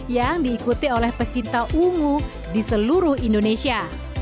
yang diikuti oleh pecinta ungu di seluruh indonesia